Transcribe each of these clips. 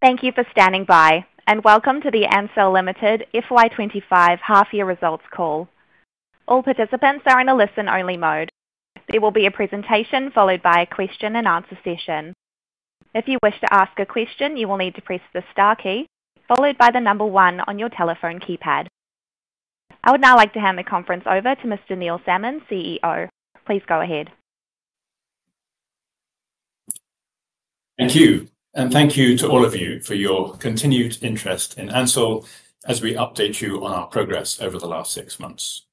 Thank you for standing by, and welcome to the Ansell Limited FY25 Half-Year Results Call. All participants are in a listen-only mode. There will be a presentation followed by a Q&A session. If you wish to ask a question, you will need to press the star key, followed by the number one on your telephone keypad. I would now like to hand the conference over to Mr. Neil Salmon, CEO. Please go ahead. Thank you, and thank you to all of you for your continued interest in Ansell as we update you on our progress over the last six months.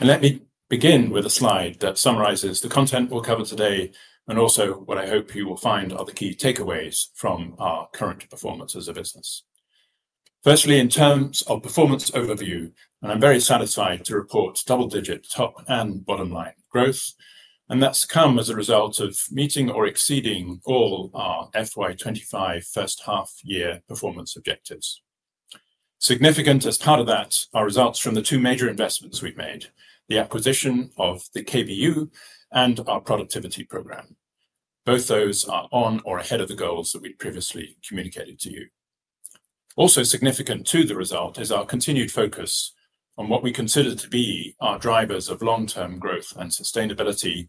Let me begin with a slide that summarizes the content we'll cover today and also what I hope you will find are the key takeaways from our current performance as a business. Firstly, in terms of performance overview, I'm very satisfied to report double-digit top and bottom-line growth, and that's come as a result of meeting or exceeding all our FY25 first half-year performance objectives. Significant as part of that are results from the two major investments we've made, the acquisition of the KBU and our productivity program. Both those are on or ahead of the goals that we previously communicated to you. Also significant to the result is our continued focus on what we consider to be our drivers of long-term growth and sustainability,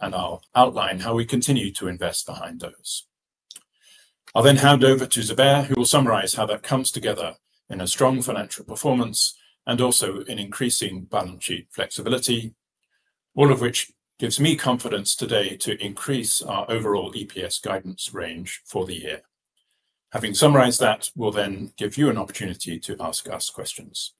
and I'll outline how we continue to invest behind those. I'll then hand over to Zubair, who will summarize how that comes together in a strong financial performance and also in increasing balance sheet flexibility, all of which gives me confidence today to increase our overall EPS guidance range for the year. Having summarized that, we'll then give you an opportunity to ask us questions.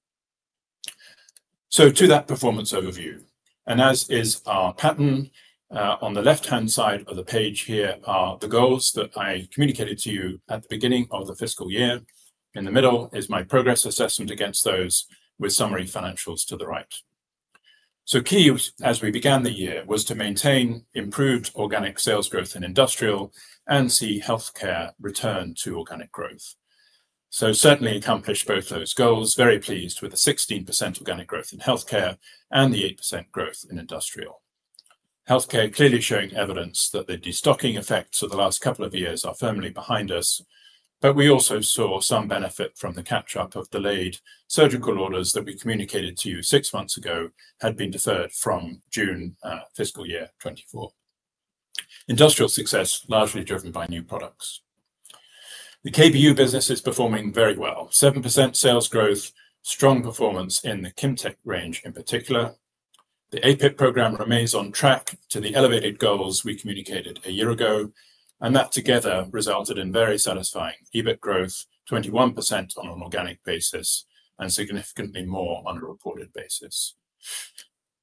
So to that performance overview, and as is our pattern, on the left-hand side of the page here are the goals that I communicated to you at the beginning of the fiscal year. In the middle is my progress assessment against those with summary financials to the right. Key as we began the year was to maintain improved organic sales growth in Industrial and see Healthcare return to organic growth. Certainly accomplished both those goals, very pleased with the 16% organic growth in Healthcare and the 8% growth in Industrial. Healthcare clearly showing evidence that the destocking effects of the last couple of years are firmly behind us, but we also saw some benefit from the catch-up of delayed Surgical orders that we communicated to you six months ago had been deferred from June fiscal year 2024. Industrial success largely driven by new products. The KBU business is performing very well, 7% sales growth, strong performance in the Kimtech range in particular. The APIP program remains on track to the elevated goals we communicated a year ago, and that together resulted in very satisfying EBIT growth, 21% on an organic basis and significantly more on a reported basis.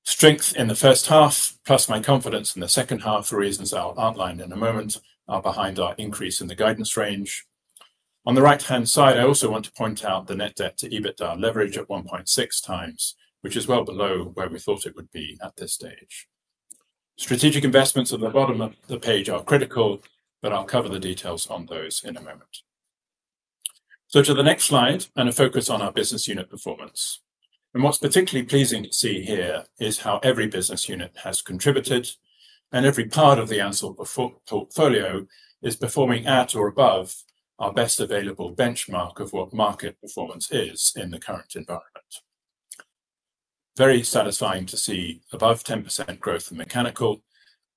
Strength in the first half, plus my confidence in the second half for reasons I'll outline in a moment, are behind our increase in the guidance range. On the right-hand side, I also want to point out the net debt to EBITDA leverage at 1.6 times, which is well below where we thought it would be at this stage. Strategic investments at the bottom of the page are critical, but I'll cover the details on those in a moment. So to the next slide and a focus on our business unit performance. And what's particularly pleasing to see here is how every business unit has contributed and every part of the Ansell portfolio is performing at or above our best available benchmark of what market performance is in the current environment. Very satisfying to see above 10% growth in Mechanical,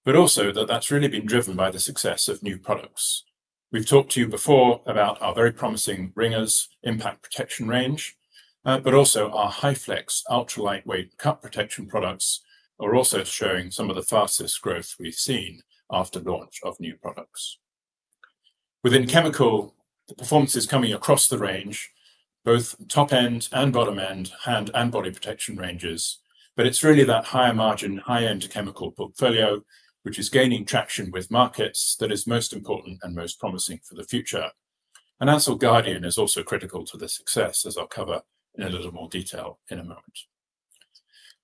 but also that that's really been driven by the success of new products. We've talked to you before about our very promising Ringers impact protection range, but also our HyFlex ultra-lightweight cut protection products are also showing some of the fastest growth we've seen after launch of new products. Within Chemical, the performance is coming across the range, both top-end and bottom-end hand and body protection ranges, but it's really that higher margin, high-end Chemical portfolio, which is gaining traction with markets that is most important and most promising for the future. Ansell Guardian is also critical to the success, as I'll cover in a little more detail in a moment.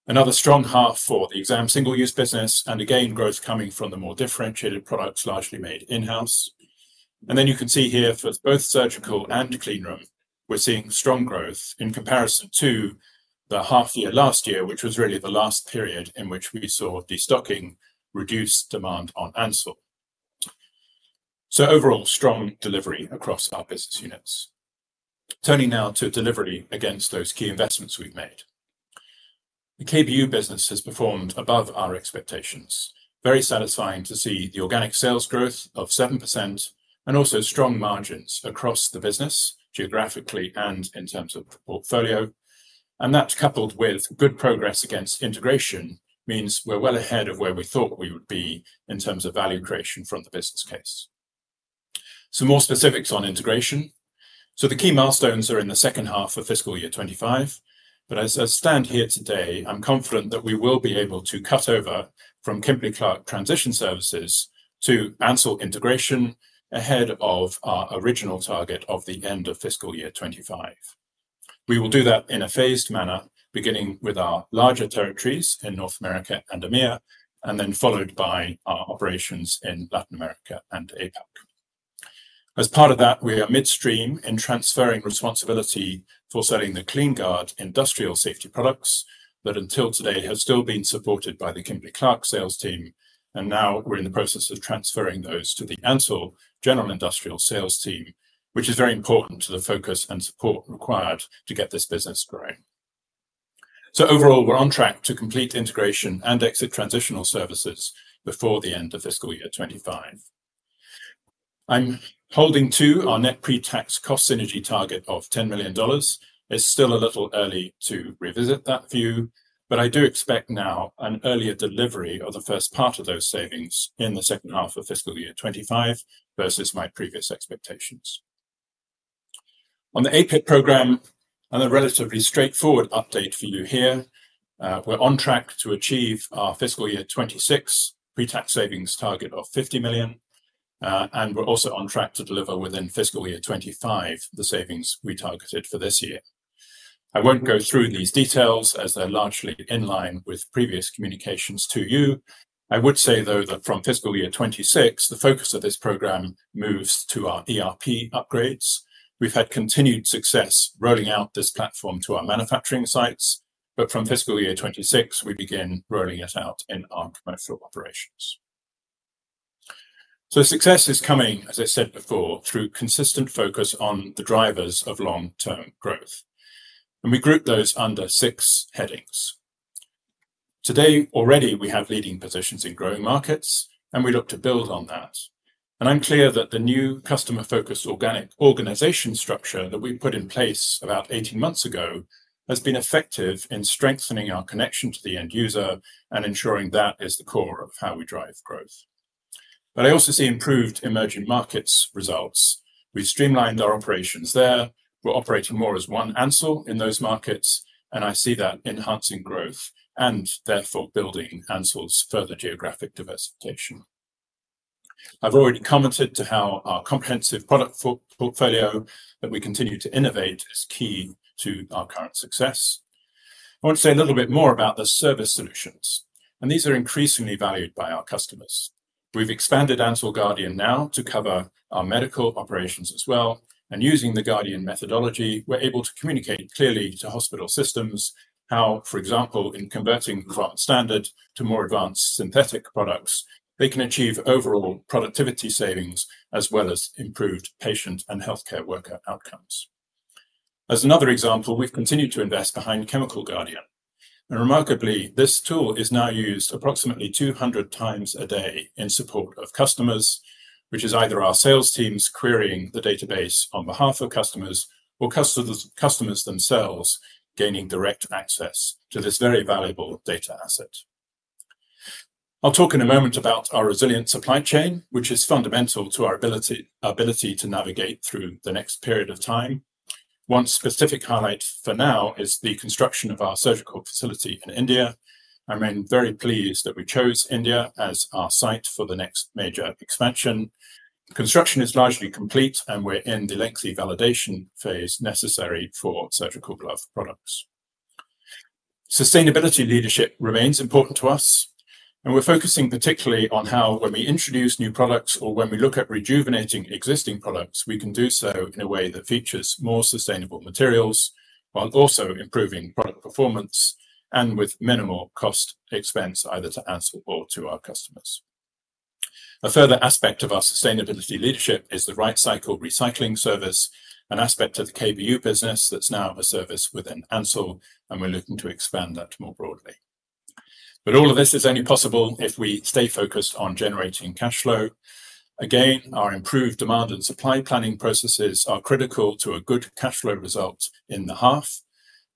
Another strong half for the Exam/Single Use business and again, growth coming from the more differentiated products largely made in-house. And then you can see here for both Surgical and Cleanroom, we're seeing strong growth in comparison to the half-year last year, which was really the last period in which we saw destocking reduce demand on Ansell. So overall, strong delivery across our business units. Turning now to delivery against those key investments we've made. The KBU business has performed above our expectations. Very satisfying to see the organic sales growth of 7% and also strong margins across the business geographically and in terms of portfolio. And that coupled with good progress against integration means we're well ahead of where we thought we would be in terms of value creation from the business case. Some more specifics on integration. So the key milestones are in the second half of fiscal year 2025, but as I stand here today, I'm confident that we will be able to cut over from Kimberly-Clark Transition Services to Ansell Integration ahead of our original target of the end of fiscal year 2025. We will do that in a phased manner, beginning with our larger territories in North America and EMEA, and then followed by our operations in Latin America and APAC. As part of that, we are midstream in transferring responsibility for selling the KleenGuard industrial safety products that until today have still been supported by the Kimberly-Clark sales team, and now we're in the process of transferring those to the Ansell General Industrial Sales team, which is very important to the focus and support required to get this business growing. Overall, we're on track to complete integration and exit transitional services before the end of fiscal year 2025. I'm holding to our net pre-tax cost synergy target of $10 million. It's still a little early to revisit that view, but I do expect now an earlier delivery of the first part of those savings in the second half of fiscal year 2025 versus my previous expectations. On the APIP program, and a relatively straightforward update for you here, we're on track to achieve our fiscal year 2026 pre-tax savings target of $50 million, and we're also on track to deliver within fiscal year 2025 the savings we targeted for this year. I won't go through these details as they're largely in line with previous communications to you. I would say, though, that from fiscal year 2026, the focus of this program moves to our ERP upgrades. We've had continued success rolling out this platform to our manufacturing sites, but from fiscal year 2026, we begin rolling it out in our commercial operations. So success is coming, as I said before, through consistent focus on the drivers of long-term growth. And we group those under six headings. Today, already we have leading positions in growing markets, and we look to build on that. I'm clear that the new customer-focused organizational structure that we put in place about 18 months ago has been effective in strengthening our connection to the end user and ensuring that is the core of how we drive growth. But I also see improved emerging markets results. We've streamlined our operations there. We're operating more as one Ansell in those markets, and I see that enhancing growth and therefore building Ansell's further geographic diversification. I've already commented on how our comprehensive product portfolio that we continue to innovate is key to our current success. I want to say a little bit more about the service solutions, and these are increasingly valued by our customers. We've expanded Ansell Guardian now to cover our medical operations as well, and using the Guardian methodology, we're able to communicate clearly to hospital systems how, for example, in converting from standard to more advanced synthetic products, they can achieve overall productivity savings as well as improved patient and healthcare worker outcomes. As another example, we've continued to invest behind Chemical Guardian. And remarkably, this tool is now used approximately 200 times a day in support of customers, which is either our sales teams querying the database on behalf of customers or customers themselves gaining direct access to this very valuable data asset. I'll talk in a moment about our resilient supply chain, which is fundamental to our ability to navigate through the next period of time. One specific highlight for now is the construction of our Surgical facility in India. I'm very pleased that we chose India as our site for the next major expansion. Construction is largely complete, and we're in the lengthy validation phase necessary for Surgical glove products. Sustainability leadership remains important to us, and we're focusing particularly on how, when we introduce new products or when we look at rejuvenating existing products, we can do so in a way that features more sustainable materials while also improving product performance and with minimal cost expense either to Ansell or to our customers. A further aspect of our sustainability leadership is the RightCycle recycling service, an aspect of the KBU business that's now a service within Ansell, and we're looking to expand that more broadly. But all of this is only possible if we stay focused on generating cash flow. Again, our improved demand and supply planning processes are critical to a good cash flow result in the half,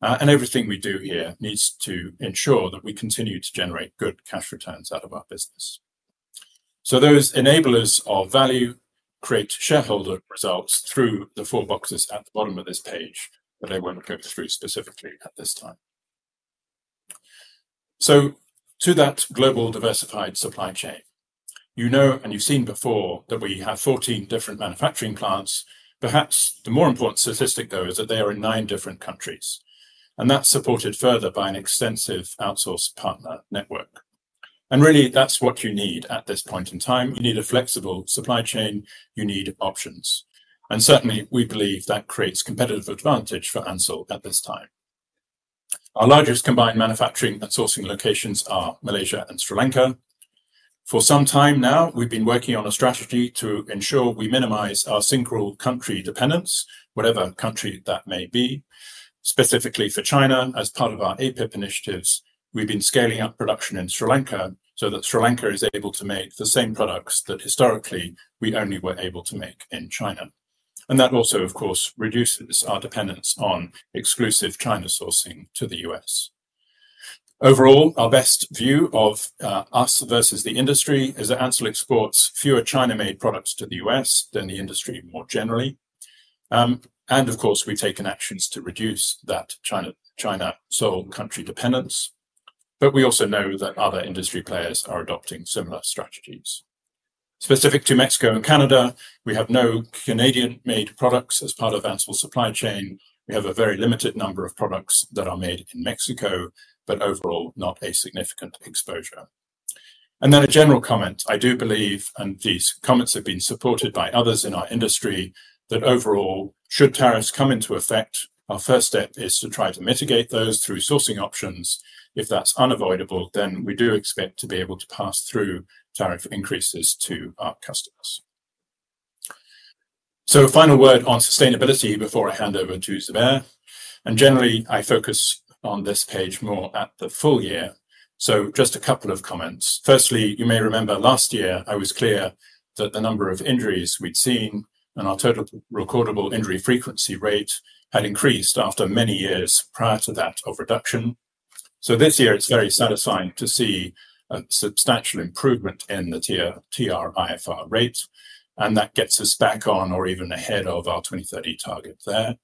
and everything we do here needs to ensure that we continue to generate good cash returns out of our business. So those enablers of value create shareholder results through the four boxes at the bottom of this page that I won't go through specifically at this time. So to that global diversified supply chain, you know and you've seen before that we have 14 different manufacturing plants. Perhaps the more important statistic, though, is that they are in nine different countries, and that's supported further by an extensive outsourced partner network. And really, that's what you need at this point in time. You need a flexible supply chain. You need options. And certainly, we believe that creates competitive advantage for Ansell at this time. Our largest combined manufacturing and sourcing locations are Malaysia and Sri Lanka. For some time now, we've been working on a strategy to ensure we minimize our single country dependence, whatever country that may be. Specifically for China, as part of our APIP initiatives, we've been scaling up production in Sri Lanka so that Sri Lanka is able to make the same products that historically we only were able to make in China. And that also, of course, reduces our dependence on exclusive China sourcing to the U.S. Overall, our best view of us versus the industry is that Ansell exports fewer China-made products to the U.S. than the industry more generally. And of course, we've taken actions to reduce that China single country dependence, but we also know that other industry players are adopting similar strategies. Specific to Mexico and Canada, we have no Canadian-made products as part of Ansell's supply chain. We have a very limited number of products that are made in Mexico, but overall, not a significant exposure, and then a general comment, I do believe, and these comments have been supported by others in our industry, that overall, should tariffs come into effect, our first step is to try to mitigate those through sourcing options. If that's unavoidable, then we do expect to be able to pass through tariff increases to our customers, so a final word on sustainability before I hand over to Zubair, and generally, I focus on this page more at the full year, so just a couple of comments. Firstly, you may remember last year, I was clear that the number of injuries we'd seen and our total recordable injury frequency rate had increased after many years prior to that of reduction, so this year, it's very satisfying to see a substantial improvement in the TRIFR rate, and that gets us back on or even ahead of our 2030 target there,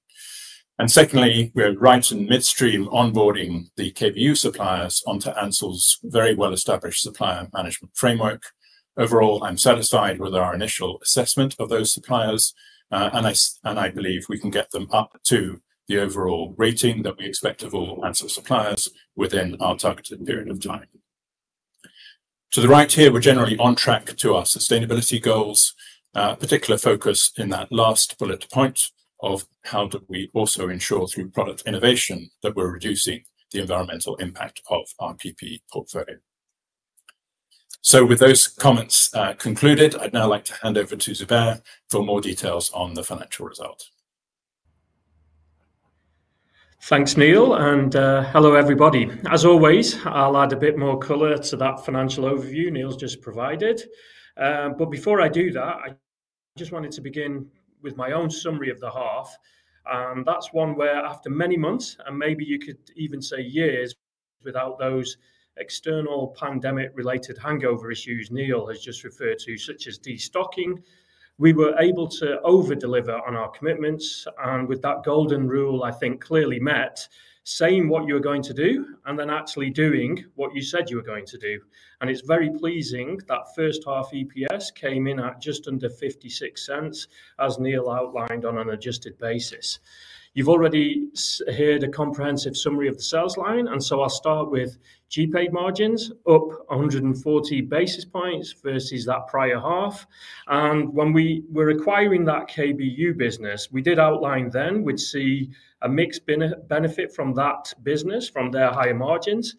and secondly, we're right in midstream onboarding the KBU suppliers onto Ansell's very well-established supplier management framework. Overall, I'm satisfied with our initial assessment of those suppliers, and I believe we can get them up to the overall rating that we expect of all Ansell suppliers within our targeted period of time. To the right here, we're generally on track to our sustainability goals, particular focus in that last bullet point of how do we also ensure through product innovation that we're reducing the environmental impact of our PPE portfolio. So with those comments concluded, I'd now like to hand over to Zubair for more details on the financial result. Thanks, Neil, and hello everybody. As always, I'll add a bit more color to that financial overview Neil's just provided. But before I do that, I just wanted to begin with my own summary of the half, and that's one where, after many months, and maybe you could even say years, without those external pandemic-related hangover issues Neil has just referred to, such as destocking, we were able to overdeliver on our commitments. With that golden rule, I think clearly met, saying what you were going to do and then actually doing what you said you were going to do. It's very pleasing that first half EPS came in at just under $0.56, as Neil outlined on an adjusted basis. You've already heard a comprehensive summary of the sales line, and so I'll start with GPADE margins up 140 basis points versus that prior half. When we were acquiring that KBU business, we did outline then we'd see a mix benefit from that business, from their higher margins.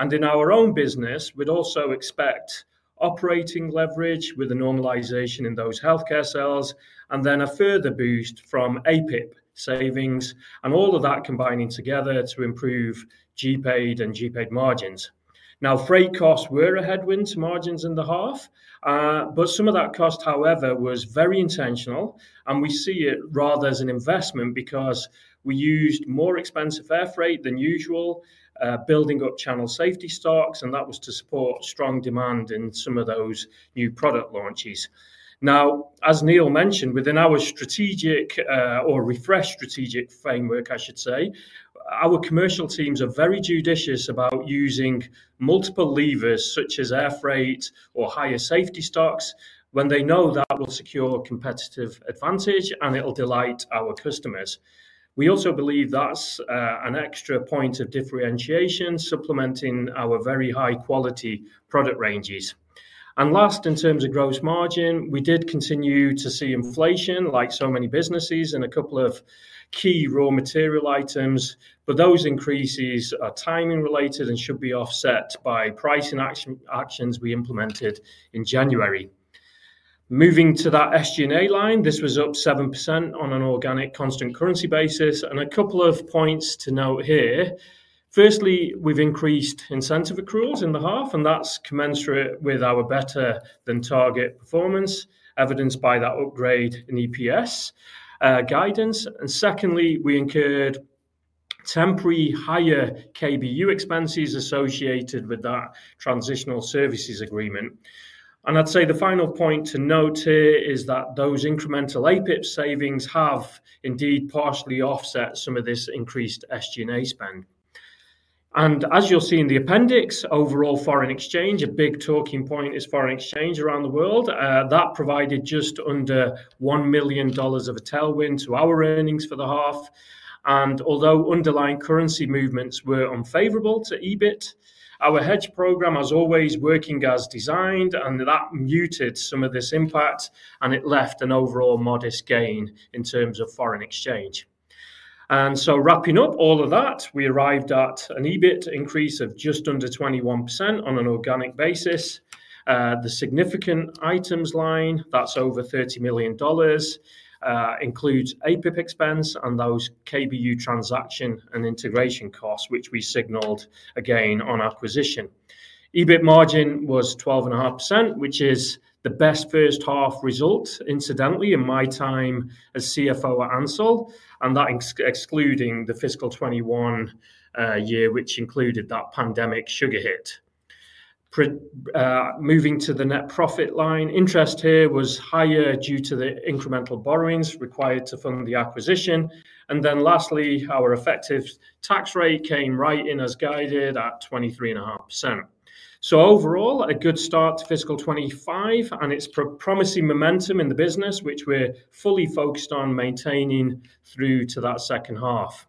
In our own business, we'd also expect operating leverage with a normalization in those healthcare sales and then a further boost from APIP savings and all of that combining together to improve GPADE and GPADE margins. Now, freight costs were a headwind to margins in the half, but some of that cost, however, was very intentional, and we see it rather as an investment because we used more expensive air freight than usual, building up channel safety stocks, and that was to support strong demand in some of those new product launches. Now, as Neil mentioned, within our strategic or refreshed strategic framework, I should say, our commercial teams are very judicious about using multiple levers such as air freight or higher safety stocks when they know that will secure competitive advantage and it'll delight our customers. We also believe that's an extra point of differentiation, supplementing our very high-quality product ranges. And last, in terms of gross margin, we did continue to see inflation, like so many businesses, and a couple of key raw material items, but those increases are timing-related and should be offset by pricing actions we implemented in January. Moving to that SG&A line, this was up 7% on an organic constant currency basis. And a couple of points to note here. Firstly, we've increased incentive accruals in the half, and that's commensurate with our better-than-target performance, evidenced by that upgrade in EPS guidance. And secondly, we incurred temporary higher KBU expenses associated with that transitional services agreement. And I'd say the final point to note here is that those incremental APIP savings have indeed partially offset some of this increased SG&A spend. And as you'll see in the appendix, overall foreign exchange, a big talking point, is foreign exchange around the world. That provided just under $1 million of a tailwind to our earnings for the half. And although underlying currency movements were unfavorable to EBIT, our hedge program, as always, working as designed, and that muted some of this impact, and it left an overall modest gain in terms of foreign exchange. And so wrapping up all of that, we arrived at an EBIT increase of just under 21% on an organic basis. The significant items line, that's over $30 million, includes APIP expense and those KBU transaction and integration costs, which we signaled again on acquisition. EBIT margin was 12.5%, which is the best first half result, incidentally, in my time as CFO at Ansell, and that excluding the fiscal 2021 year, which included that pandemic sugar hit. Moving to the net profit line, interest here was higher due to the incremental borrowings required to fund the acquisition. And then lastly, our effective tax rate came right in as guided at 23.5%. So overall, a good start to fiscal 25 and it's promising momentum in the business, which we're fully focused on maintaining through to that second half.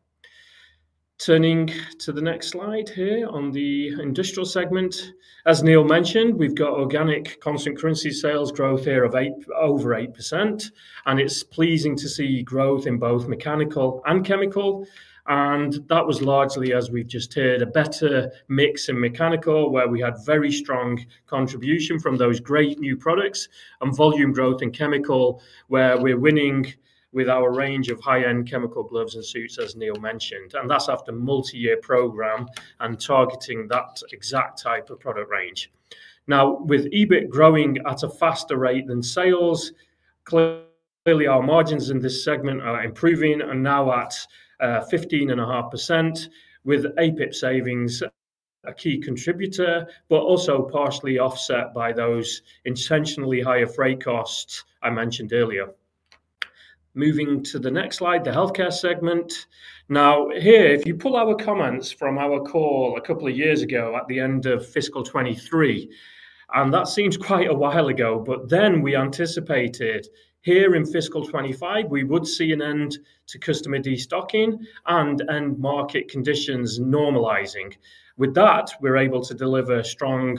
Turning to the next slide here on the industrial segment, as Neil mentioned, we've got organic constant currency sales growth here of over 8%, and it's pleasing to see growth in both Mechanical and Chemical. And that was largely, as we've just heard, a better mix in Mechanical where we had very strong contribution from those great new products and volume growth in Chemical where we're winning with our range of high-end Chemical gloves and suits, as Neil mentioned. And that's after a multi-year program and targeting that exact type of product range. Now, with EBIT growing at a faster rate than sales, clearly our margins in this segment are improving and now at 15.5%, with APIP savings a key contributor, but also partially offset by those intentionally higher freight costs I mentioned earlier. Moving to the next slide, the healthcare segment. Now here, if you pull our comments from our call a couple of years ago at the end of fiscal 2023, and that seems quite a while ago, but then we anticipated here in fiscal 2025, we would see an end to customer destocking and end market conditions normalizing. With that, we're able to deliver strong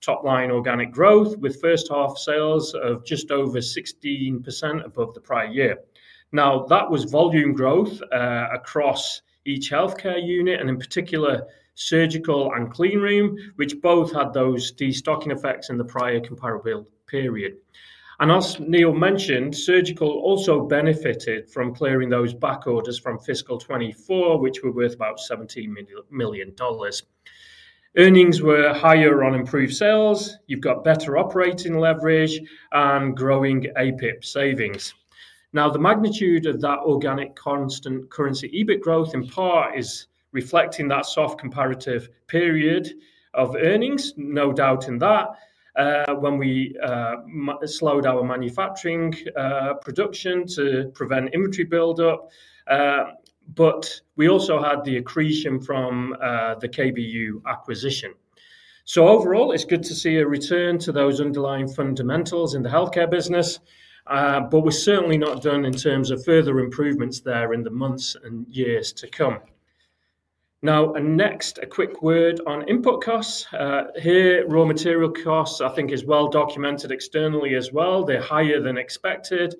top-line organic growth with first half sales of just over 16% above the prior year. Now, that was volume growth across each healthcare unit and in particular Surgical and Cleanroom, which both had those destocking effects in the prior comparable period. As Neil mentioned, Surgical also benefited from clearing those back orders from fiscal 2024, which were worth about $17 million. Earnings were higher on improved sales. You've got better operating leverage and growing APIP savings. Now, the magnitude of that organic constant currency EBIT growth in part is reflecting that soft comparative period of earnings, no doubt in that, when we slowed our manufacturing production to prevent inventory buildup, but we also had the accretion from the KBU acquisition. Overall, it's good to see a return to those underlying fundamentals in the healthcare business, but we're certainly not done in terms of further improvements there in the months and years to come. Now, next, a quick word on input costs. Here, raw material costs, I think, is well documented externally as well. They're higher than expected,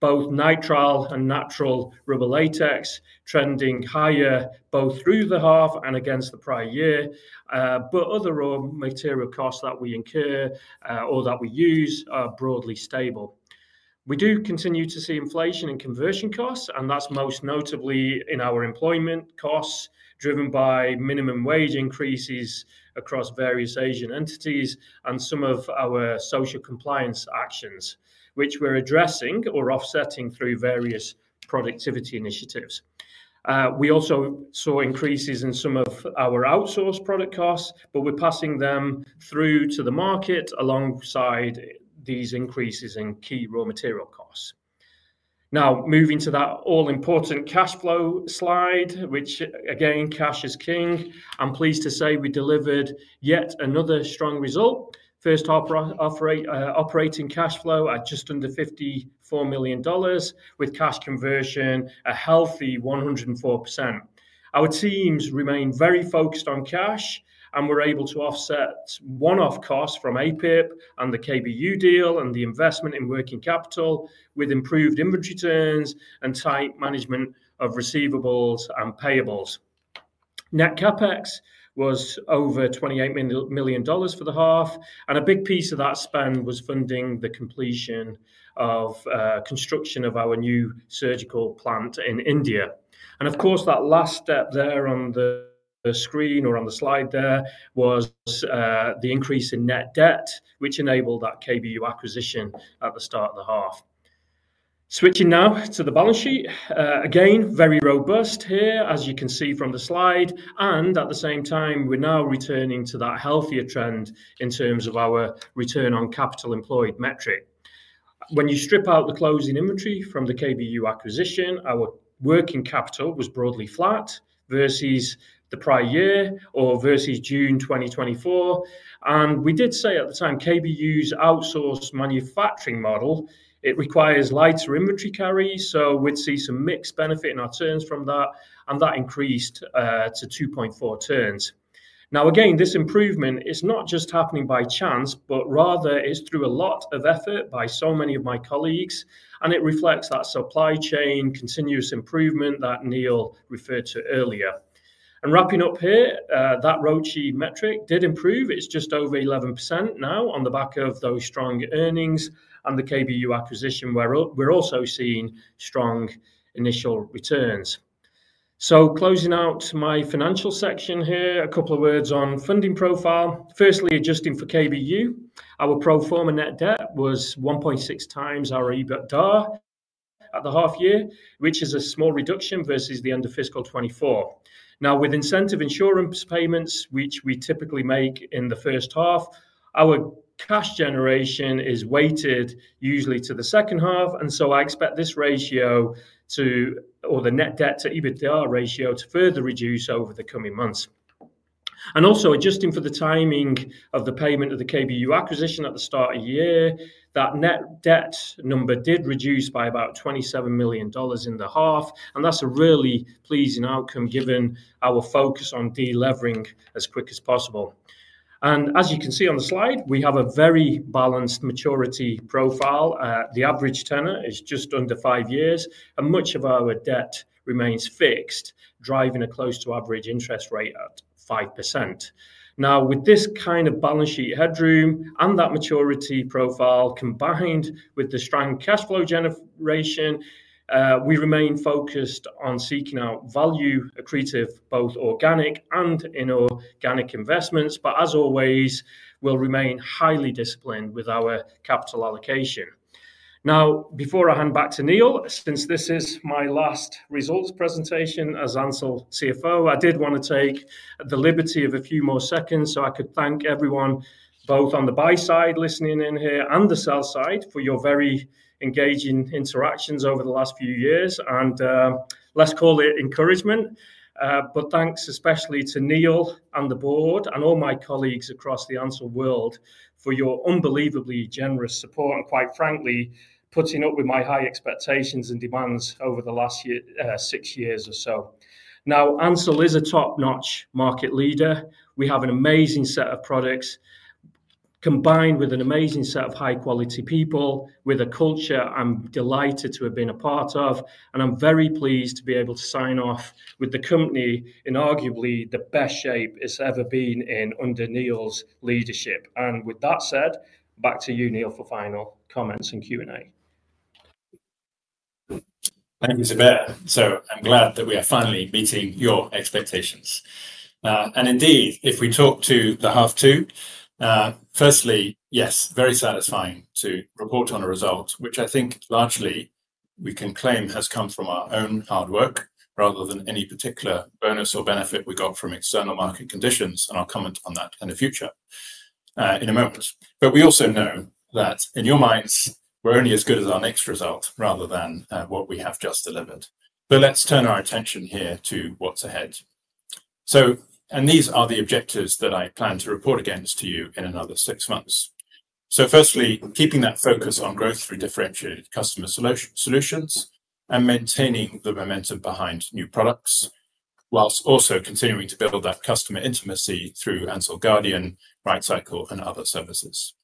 both nitrile and natural rubber latex trending higher both through the half and against the prior year. But other raw material costs that we incur or that we use are broadly stable. We do continue to see inflation and conversion costs, and that's most notably in our employment costs driven by minimum wage increases across various Asian entities and some of our social compliance actions, which we're addressing or offsetting through various productivity initiatives. We also saw increases in some of our outsourced product costs, but we're passing them through to the market alongside these increases in key raw material costs. Now, moving to that all-important cash flow slide, which again, cash is king. I'm pleased to say we delivered yet another strong result. First operating cash flow at just under $54 million with cash conversion, a healthy 104%. Our teams remain very focused on cash and were able to offset one-off costs from APIP and the KBU deal and the investment in working capital with improved inventory turns and tight management of receivables and payables. Net CapEx was over $28 million for the half, and a big piece of that spend was funding the completion of construction of our new Surgical plant in India. And of course, that last step there on the screen or on the slide there was the increase in net debt, which enabled that KBU acquisition at the start of the half. Switching now to the balance sheet, again, very robust here, as you can see from the slide. And at the same time, we're now returning to that healthier trend in terms of our return on capital employed metric. When you strip out the closing inventory from the KBU acquisition, our working capital was broadly flat versus the prior year or versus June 2024, and we did say at the time KBU's outsourced manufacturing model, it requires lighter inventory carries, so we'd see some mixed benefit in our turns from that, and that increased to 2.4 turns. Now, again, this improvement is not just happening by chance, but rather it's through a lot of effort by so many of my colleagues, and it reflects that supply chain continuous improvement that Neil referred to earlier, and wrapping up here, that ROCE metric did improve. It's just over 11% now on the back of those strong earnings and the KBU acquisition where we're also seeing strong initial returns, so closing out my financial section here, a couple of words on funding profile. Firstly, adjusting for KBU, our pro forma net debt was 1.6 times our EBITDA at the half year, which is a small reduction versus the end of fiscal 24. Now, with incentive insurance payments, which we typically make in the first half, our cash generation is weighted usually to the second half, and so I expect this ratio to, or the net debt to EBITDA ratio to further reduce over the coming months. And also adjusting for the timing of the payment of the KBU acquisition at the start of year, that net debt number did reduce by about $27 million in the half, and that's a really pleasing outcome given our focus on delevering as quick as possible. And as you can see on the slide, we have a very balanced maturity profile. The average tenor is just under five years, and much of our debt remains fixed, driving a close-to-average interest rate at 5%. Now, with this kind of balance sheet headroom and that maturity profile combined with the strong cash flow generation, we remain focused on seeking out value-accretive, both organic and inorganic investments, but as always, we'll remain highly disciplined with our capital allocation. Now, before I hand back to Neil, since this is my last results presentation as Ansell CFO, I did want to take the liberty of a few more seconds so I could thank everyone, both on the buy side listening in here and the sell side, for your very engaging interactions over the last few years, and let's call it encouragement. But thanks especially to Neil and the board and all my colleagues across the Ansell world for your unbelievably generous support and, quite frankly, putting up with my high expectations and demands over the last six years or so. Now, Ansell is a top-notch market leader. We have an amazing set of products combined with an amazing set of high-quality people with a culture I'm delighted to have been a part of, and I'm very pleased to be able to sign off with the company in arguably the best shape it's ever been in under Neil's leadership. And with that said, back to you, Neil, for final comments and Q&A. Thank you, Zubair. So I'm glad that we are finally meeting your expectations. Indeed, if we talk to the H2, firstly, yes, very satisfying to report on a result, which I think largely we can claim has come from our own hard work rather than any particular bonus or benefit we got from external market conditions, and I'll comment on that in the future in a moment. We also know that in your minds, we're only as good as our next result rather than what we have just delivered. Let's turn our attention here to what's ahead. These are the objectives that I plan to report against to you in another six months. Firstly, keeping that focus on growth through differentiated customer solutions and maintaining the momentum behind new products, while also continuing to build that customer intimacy through Ansell Guardian, RightCycle, and other services.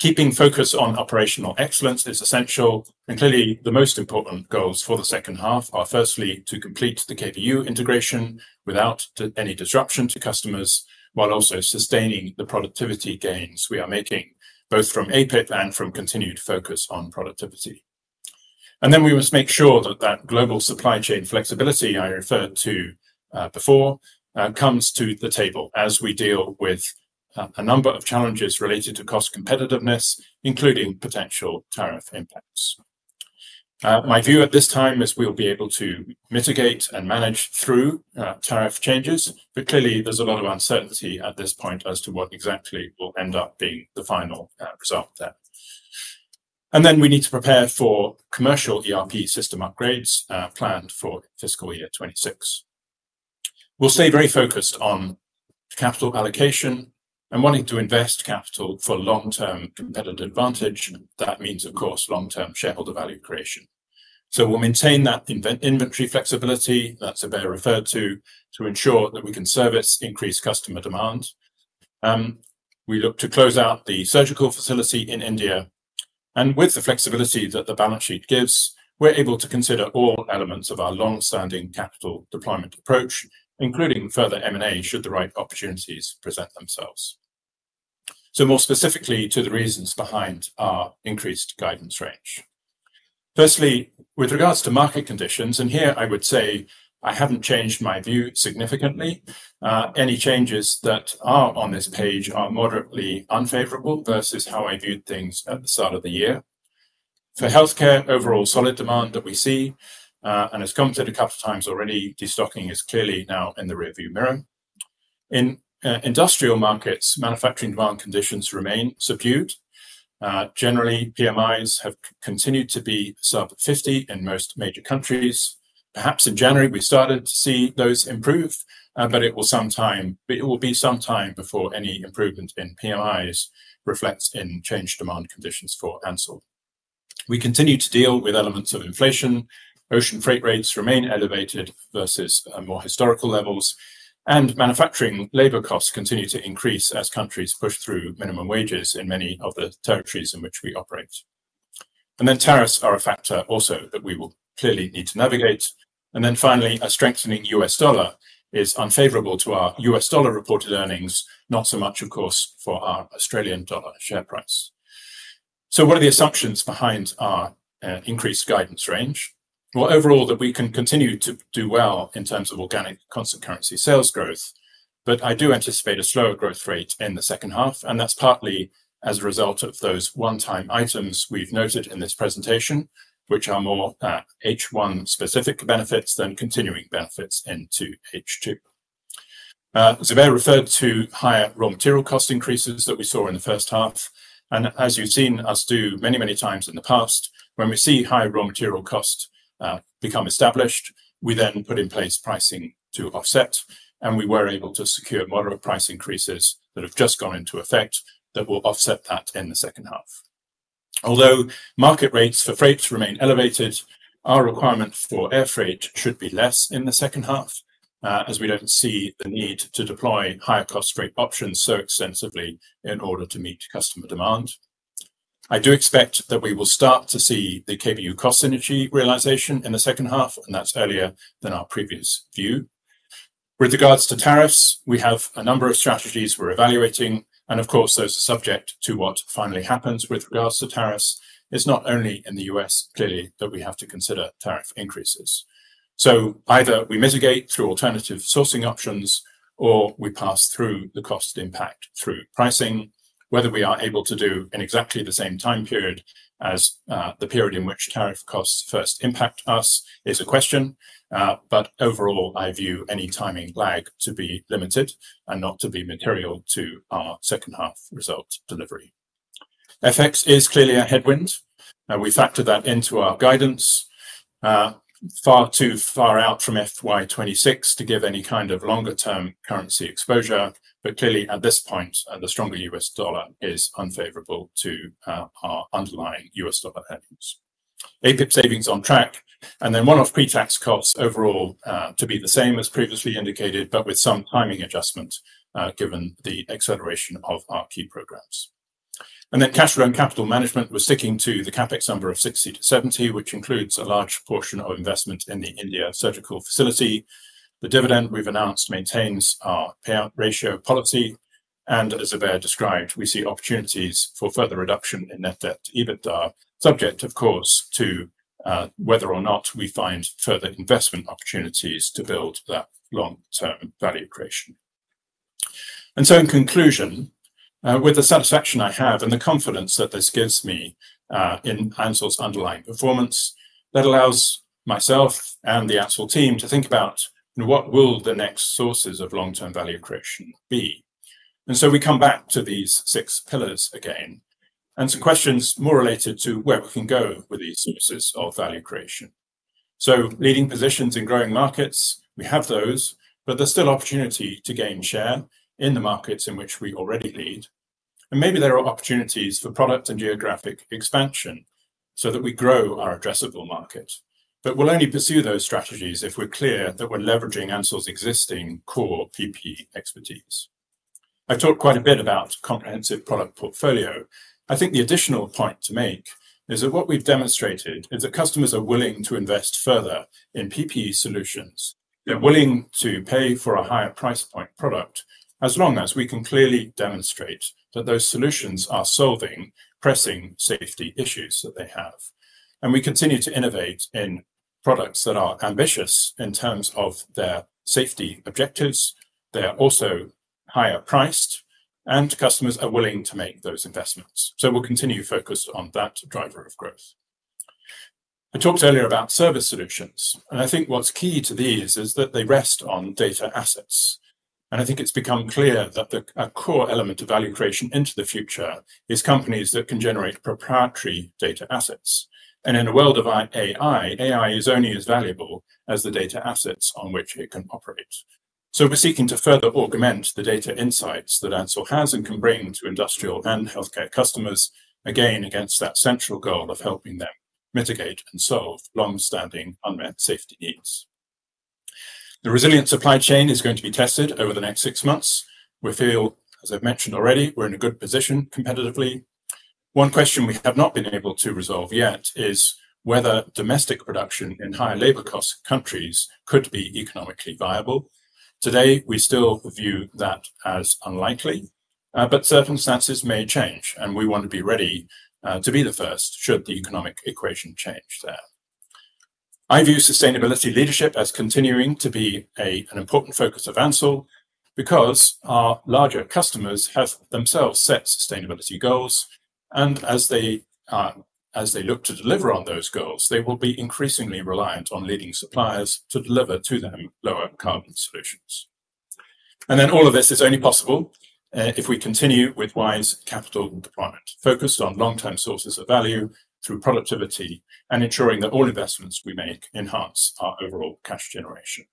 Keeping focus on operational excellence is essential, and clearly the most important goals for the second half are firstly to complete the KBU integration without any disruption to customers, while also sustaining the productivity gains we are making both from APIP and from continued focus on productivity. And then we must make sure that global supply chain flexibility I referred to before comes to the table as we deal with a number of challenges related to cost competitiveness, including potential tariff impacts. My view at this time is we'll be able to mitigate and manage through tariff changes, but clearly there's a lot of uncertainty at this point as to what exactly will end up being the final result there. And then we need to prepare for commercial ERP system upgrades planned for fiscal year 26. We'll stay very focused on capital allocation and wanting to invest capital for long-term competitive advantage. That means, of course, long-term shareholder value creation. So we'll maintain that inventory flexibility that Zubair referred to to ensure that we can service increased customer demand. We look to close out the Surgical facility in India, and with the flexibility that the balance sheet gives, we're able to consider all elements of our long-standing capital deployment approach, including further M&A should the right opportunities present themselves. So more specifically to the reasons behind our increased guidance range. Firstly, with regards to market conditions, and here I would say I haven't changed my view significantly. Any changes that are on this page are moderately unfavorable versus how I viewed things at the start of the year. For healthcare, overall solid demand that we see, and as commented a couple of times already, destocking is clearly now in the rearview mirror. In industrial markets, manufacturing demand conditions remain subdued. Generally, PMIs have continued to be sub 50 in most major countries. Perhaps in January, we started to see those improve, but it will be some time before any improvement in PMIs reflects in changed demand conditions for Ansell. We continue to deal with elements of inflation. Ocean freight rates remain elevated versus more historical levels, and manufacturing labor costs continue to increase as countries push through minimum wages in many of the territories in which we operate, and then tariffs are a factor also that we will clearly need to navigate, and then finally, a strengthening U.S. dollar is unfavorable to our U.S. dollar reported earnings, not so much, of course, for our Australian dollar share price. So what are the assumptions behind our increased guidance range? Well, overall, that we can continue to do well in terms of organic constant currency sales growth, but I do anticipate a slower growth rate in the second half, and that's partly as a result of those one-time items we've noted in this presentation, which are more H1 specific benefits than continuing benefits into H2. Zubair referred to higher raw material cost increases that we saw in the first half, and as you've seen us do many, many times in the past, when we see high raw material cost become established, we then put in place pricing to offset, and we were able to secure moderate price increases that have just gone into effect that will offset that in the second half. Although market rates for freight remain elevated, our requirement for air freight should be less in the second half, as we don't see the need to deploy higher cost freight options so extensively in order to meet customer demand. I do expect that we will start to see the KBU cost synergy realization in the second half, and that's earlier than our previous view. With regards to tariffs, we have a number of strategies we're evaluating, and of course, those are subject to what finally happens with regards to tariffs. It's not only in the U.S., clearly, that we have to consider tariff increases, so either we mitigate through alternative sourcing options, or we pass through the cost impact through pricing. Whether we are able to do in exactly the same time period as the period in which tariff costs first impact us is a question, but overall, I view any timing lag to be limited and not to be material to our second half result delivery. FX is clearly a headwind, and we factor that into our guidance. Far too far out from FY26 to give any kind of longer-term currency exposure, but clearly at this point, the stronger US dollar is unfavorable to our underlying US dollar headwinds. APIP savings on track, and then one-off pre-tax costs overall to be the same as previously indicated, but with some timing adjustment given the acceleration of our key programs. Then cash flow and capital management was sticking to the CapEx number of 60-70, which includes a large portion of investment in the India Surgical facility. The dividend we've announced maintains our payout ratio policy, and as Zubair described, we see opportunities for further reduction in net debt to EBITDA, subject, of course, to whether or not we find further investment opportunities to build that long-term value creation, and so in conclusion, with the satisfaction I have and the confidence that this gives me in Ansell's underlying performance, that allows myself and the Ansell team to think about what will the next sources of long-term value creation be, and so we come back to these six pillars again, and some questions more related to where we can go with these sources of value creation, so leading positions in growing markets, we have those, but there's still opportunity to gain share in the markets in which we already lead. Maybe there are opportunities for product and geographic expansion so that we grow our addressable market, but we'll only pursue those strategies if we're clear that we're leveraging Ansell's existing core PPE expertise. I've talked quite a bit about comprehensive product portfolio. I think the additional point to make is that what we've demonstrated is that customers are willing to invest further in PPE solutions. They're willing to pay for a higher price point product as long as we can clearly demonstrate that those solutions are solving pressing safety issues that they have. We continue to innovate in products that are ambitious in terms of their safety objectives. They are also higher priced, and customers are willing to make those investments. We'll continue focused on that driver of growth. I talked earlier about service solutions, and I think what's key to these is that they rest on data assets, and I think it's become clear that a core element of value creation into the future is companies that can generate proprietary data assets, and in a world of AI, AI is only as valuable as the data assets on which it can operate, so we're seeking to further augment the data insights that Ansell has and can bring to industrial and healthcare customers, again, against that central goal of helping them mitigate and solve long-standing unmet safety needs. The resilient supply chain is going to be tested over the next six months. We feel, as I've mentioned already, we're in a good position competitively. One question we have not been able to resolve yet is whether domestic production in higher labor cost countries could be economically viable. Today, we still view that as unlikely, but circumstances may change, and we want to be ready to be the first should the economic equation change there. I view sustainability leadership as continuing to be an important focus of Ansell because our larger customers have themselves set sustainability goals, and as they look to deliver on those goals, they will be increasingly reliant on leading suppliers to deliver to them lower carbon solutions, and then all of this is only possible if we continue with wise capital deployment focused on long-term sources of value through productivity and ensuring that all investments we make enhance our overall cash generation,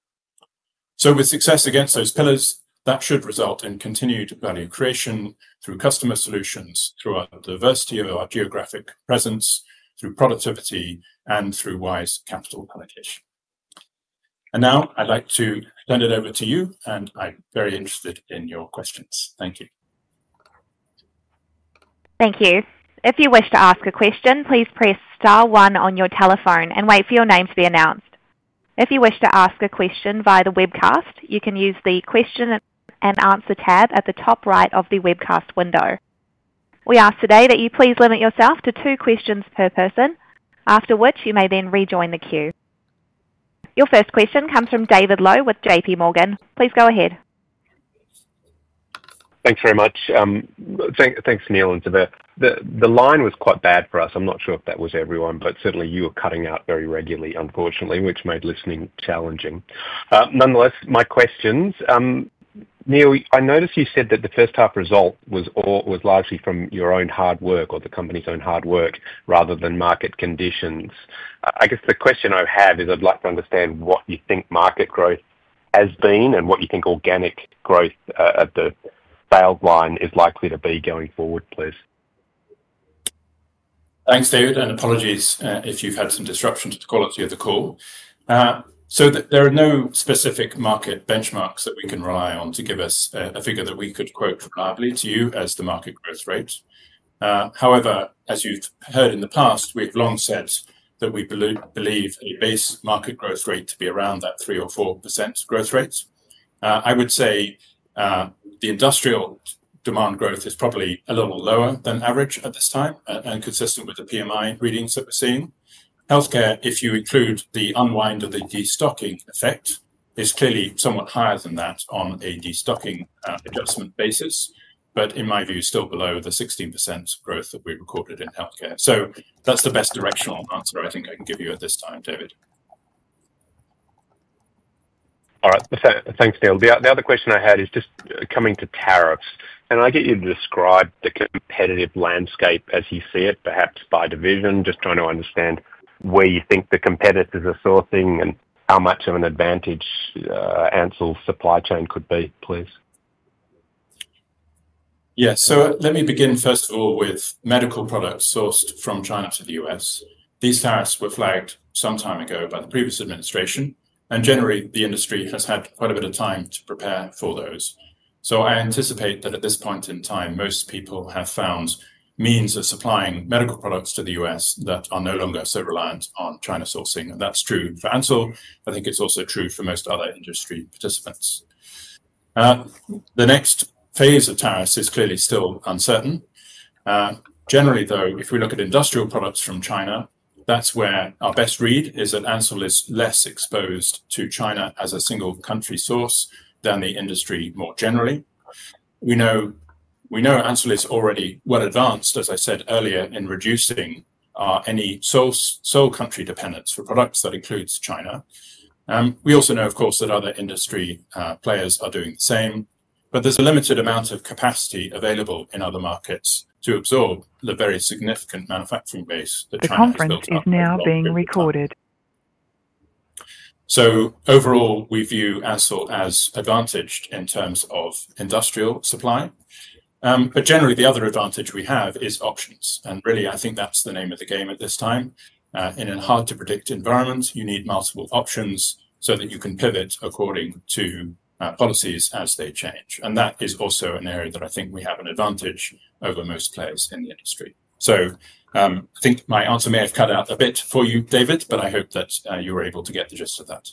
so with success against those pillars, that should result in continued value creation through customer solutions, through our diversity of our geographic presence, through productivity, and through wise capital allocation. Now I'd like to turn it over to you, and I'm very interested in your questions. Thank you. Thank you. If you wish to ask a question, please press star one on your telephone and wait for your name to be announced. If you wish to ask a question via the webcast, you can use the question and answer tab at the top right of the webcast window. We ask today that you please limit yourself to two questions per person, after which you may then rejoin the queue. Your first question comes from David Low with JPMorgan. Please go ahead. Thanks very much. Thanks, Neil and Zubair. The line was quite bad for us. I'm not sure if that was everyone, but certainly you were cutting out very regularly, unfortunately, which made listening challenging. Nonetheless, my questions. Neil, I noticed you said that the first half result was largely from your own hard work or the company's own hard work rather than market conditions. I guess the question I have is I'd like to understand what you think market growth has been and what you think organic growth at the P&L line is likely to be going forward, please. Thanks, David, and apologies if you've had some disruption to the quality of the call. So there are no specific market benchmarks that we can rely on to give us a figure that we could quote reliably to you as the market growth rate. However, as you've heard in the past, we've long said that we believe a base market growth rate to be around that 3% or 4% growth rate. I would say the industrial demand growth is probably a little lower than average at this time and consistent with the PMI readings that we're seeing. Healthcare, if you include the unwind of the destocking effect, is clearly somewhat higher than that on a destocking adjustment basis, but in my view, still below the 16% growth that we recorded in healthcare. So that's the best directional answer I think I can give you at this time, David. All right. Thanks, Neil. The other question I had is just coming to tariffs. Can I get you to describe the competitive landscape as you see it, perhaps by division, just trying to understand where you think the competitors are sourcing and how much of an advantage Ansell's supply chain could be, please? So let me begin first of all with medical products sourced from China to the US. These tariffs were flagged some time ago by the previous administration, and generally, the industry has had quite a bit of time to prepare for those. So I anticipate that at this point in time, most people have found means of supplying medical products to the U.S. that are no longer so reliant on China sourcing. And that's true for Ansell. I think it's also true for most other industry participants. The next phase of tariffs is clearly still uncertain. Generally, though, if we look at industrial products from China, that's where our best read is that Ansell is less exposed to China as a single country source than the industry more generally. We know Ansell is already well advanced, as I said earlier, in reducing any sole country dependence for products that includes China. We also know, of course, that other industry players are doing the same, but there's a limited amount of capacity available in other markets to absorb the very significant manufacturing base that China is built on. The conference is now being recorded. So overall, we view Ansell as advantaged in terms of industrial supply. But generally, the other advantage we have is options. And really, I think that's the name of the game at this time. In a hard-to-predict environment, you need multiple options so that you can pivot according to policies as they change. And that is also an area that I think we have an advantage over most players in the industry. So I think my answer may have cut out a bit for you, David, but I hope that you were able to get the gist of that.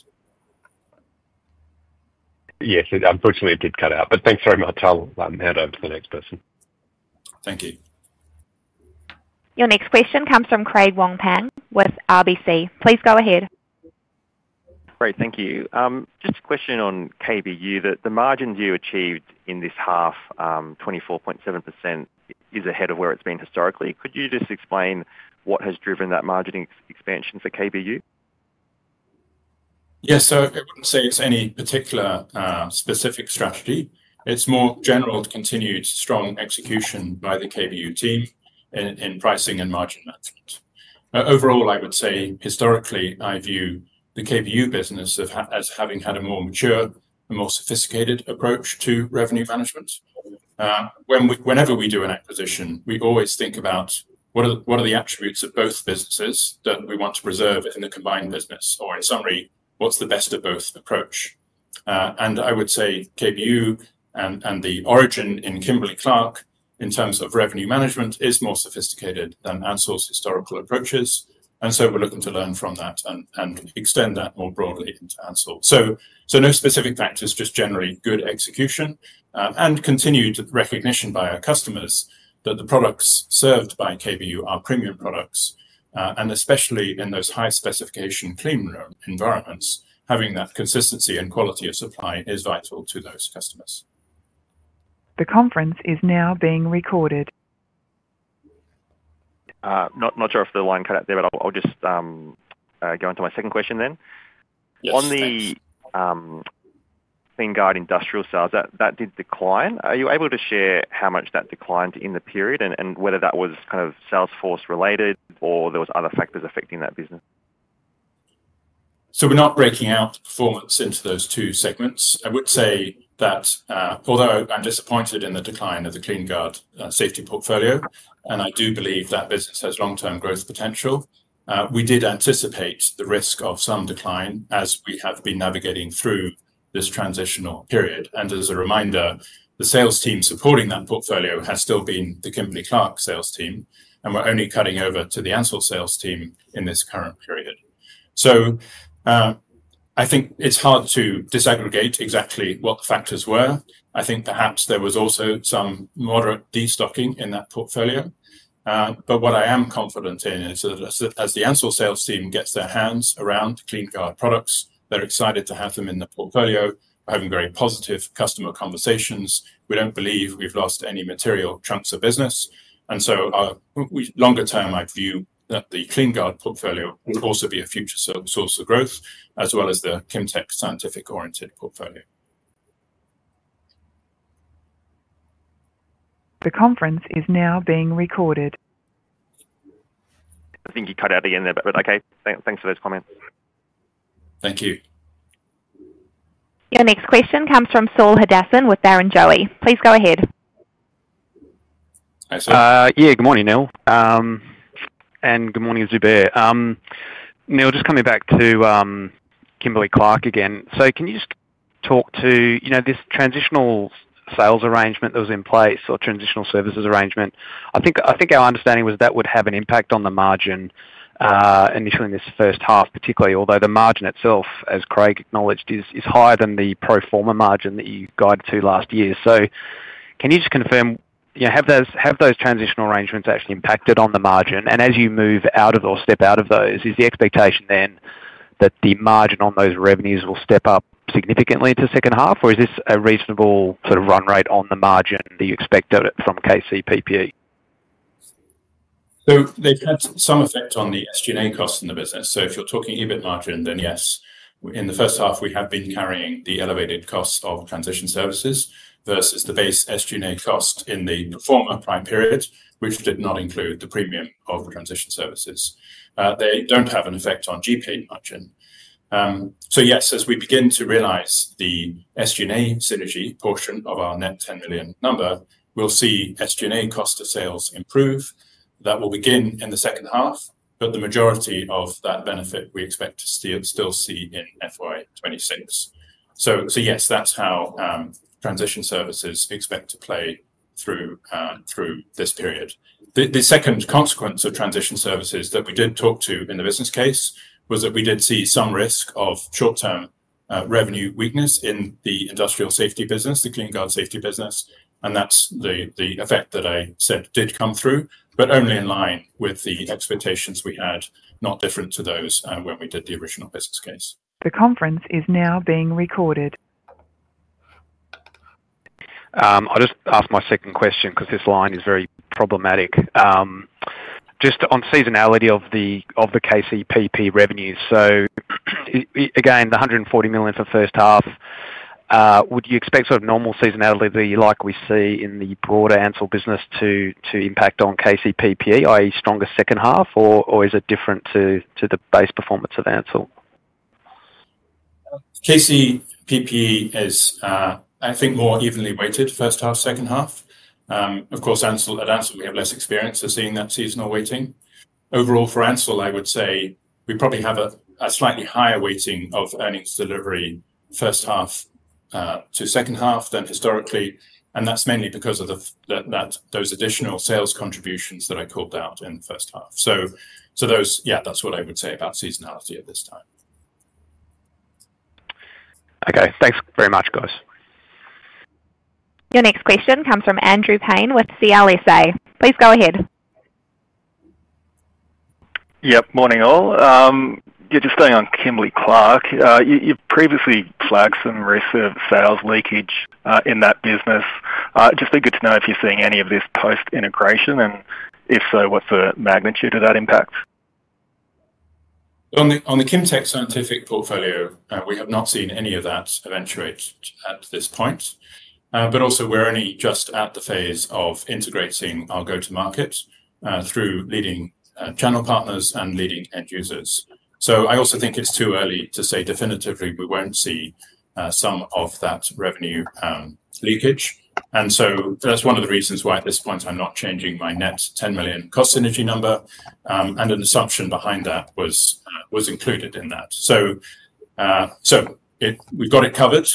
Yes, unfortunately, it did cut out, but thanks very much. I'll hand over to the next person. Thank you. Your next question comes from Craig Wong-Pan with RBC. Please go ahead. Great. Thank you. Just a question on KBU. The margins you achieved in this half, 24.7%, is ahead of where it's been historically. Could you just explain what has driven that margin expansion for KBU? Yes. So I wouldn't say it's any particular specific strategy. It's more general to continued strong execution by the KBU team in pricing and margin management. Overall, I would say historically, I view the KBU business as having had a more mature and more sophisticated approach to revenue management. Whenever we do an acquisition, we always think about what are the attributes of both businesses that we want to preserve in the combined business, or in summary, what's the best of both approach. I would say KBU and the origin in Kimberly-Clark in terms of revenue management is more sophisticated than Ansell's historical approaches. We are looking to learn from that and extend that more broadly into Ansell. No specific factors, just generally good execution and continued recognition by our customers that the products served by KBU are premium products, and especially in those high-specification Cleanroom environments, having that consistency and quality of supply is vital to those customers. The conference is now being recorded. Not sure if the line cut out there, but I'll just go on to my second question then. On the KleenGuard industrial sales, that did decline. Are you able to share how much that declined in the period and whether that was kind of sales force related or there were other factors affecting that business? So we're not breaking out performance into those two segments. I would say that although I'm disappointed in the decline of the KleenGuard safety portfolio, and I do believe that business has long-term growth potential, we did anticipate the risk of some decline as we have been navigating through this transitional period. And as a reminder, the sales team supporting that portfolio has still been the Kimberly-Clark sales team, and we're only cutting over to the Ansell sales team in this current period. So I think it's hard to disaggregate exactly what the factors were. I think perhaps there was also some moderate destocking in that portfolio. But what I am confident in is that as the Ansell sales team gets their hands around KleenGuard products, they're excited to have them in the portfolio. We're having very positive customer conversations. We don't believe we've lost any material chunks of business, and so longer term, I view that the KleenGuard portfolio will also be a future source of growth, as well as the Kimtech scientific-oriented portfolio. The conference is now being recorded. I think you cut out again there, but okay. Thanks for those comments. Thank you. Your next question comes from Saul Hadassin with Barrenjoey. Please go ahead. Hi, [Crosstalk} Good morning, Neil. And good morning, Zubair. Neil, just coming back to Kimberly-Clark again. So can you just talk to this transitional sales arrangement that was in place or transitional services arrangement? I think our understanding was that would have an impact on the margin initially in this first half, particularly, although the margin itself, as Craig acknowledged, is higher than the pro forma margin that you guided to last year. Can you just confirm, have those transitional arrangements actually impacted on the margin? And as you move out of or step out of those, is the expectation then that the margin on those revenues will step up significantly to second half, or is this a reasonable sort of run rate on the margin that you expect from KCP? They've had some effect on the SG&A costs in the business. If you're talking EBIT margin, then yes. In the first half, we have been carrying the elevated costs of transition services versus the base SG&A cost in the pro forma prior period, which did not include the premium of the transition services. They don't have an effect on GP margin. Yes, as we begin to realize the SG&A synergy portion of our net $10 million number, we'll see SG&A cost of sales improve. That will begin in the second half, but the majority of that benefit we expect to still see in FY26. So yes, that's how transition services expect to play through this period. The second consequence of transition services that we did talk to in the business case was that we did see some risk of short-term revenue weakness in the industrial safety business, the KleenGuard safety business, and that's the effect that I said did come through, but only in line with the expectations we had, not different to those when we did the original business case. The conference is now being recorded. I'll just ask my second question because this line is very problematic. Just on seasonality of the KCP revenues. So again, the $140 million for first half, would you expect sort of normal seasonality like we see in the broader Ansell business to impact on KCP, i.e., stronger second half, or is it different to the base performance of Ansell? KCP is, I think, more evenly weighted first half, second half. Of course, at Ansell, we have less experience of seeing that seasonal weighting. Overall, for Ansell, I would say we probably have a slightly higher weighting of earnings delivery first half to second half than historically, and that's mainly because of those additional sales contributions that I called out in the first half. So that's what I would say about seasonality at this time. Okay. Thanks very much, guys. Your next question comes from Andrew Paine with CLSA. Please go ahead. Morning, all. Just staying on Kimberly-Clark. You've previously flagged some reserve sales leakage in that business. Just be good to know if you're seeing any of this post-integration, and if so, what's the magnitude of that impact? On the Kimtech scientific portfolio, we have not seen any of that eventuate at this point, but also we're only just at the phase of integrating our go-to-market through leading channel partners and leading end users. So I also think it's too early to say definitively we won't see some of that revenue leakage. And so that's one of the reasons why at this point I'm not changing my net $10 million cost synergy number, and an assumption behind that was included in that. So we've got it covered,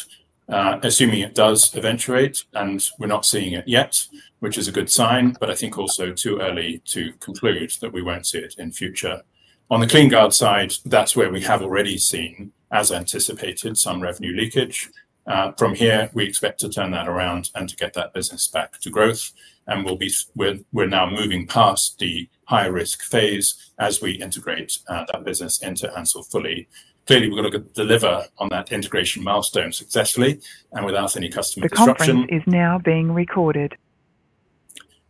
assuming it does eventuate, and we're not seeing it yet, which is a good sign, but I think also too early to conclude that we won't see it in future. On the KleenGuard side, that's where we have already seen, as anticipated, some revenue leakage. From here, we expect to turn that around and to get that business back to growth, and we're now moving past the high-risk phase as we integrate that business into Ansell fully. Clearly, we're going to deliver on that integration milestone successfully and without any customer disruption. The conference is now being recorded.